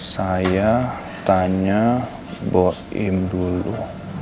saya tanya boim dulu